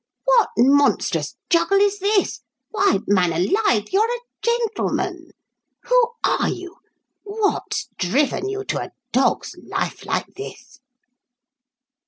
"What monstrous juggle is this? Why, man alive, you're a gentleman! Who are you? What's driven you to a dog's life like this?"